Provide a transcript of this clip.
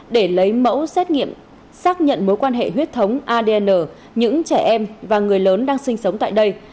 để lấy mẫu xét nghiệm xác nhận mối quan hệ huyết thống adn những trẻ em và người lớn đang sinh sống tại đây